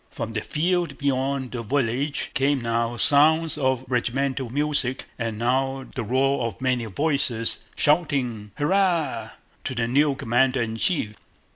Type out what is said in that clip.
From the field beyond the village came now sounds of regimental music and now the roar of many voices shouting "Hurrah!" to the new commander in chief.